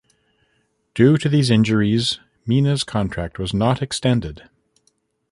Due to these injuries Mina's contract was not extended.